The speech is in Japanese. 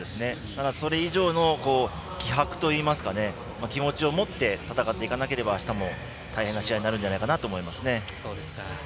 ただそれ以上の気迫といいますか気持ちを持って戦っていかなければ、あしたも大変な試合になるんじゃないかなと思います。